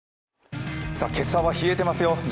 今朝は冷えていますよ。